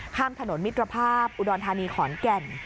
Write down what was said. ข้ามถนนมิตรภาพอุดรธานีขอนแก่น